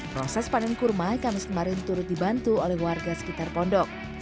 proses panen kurma kamis kemarin turut dibantu oleh warga sekitar pondok